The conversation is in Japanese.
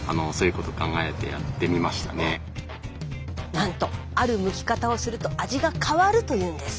なんとあるむき方をすると味が変わるというんです。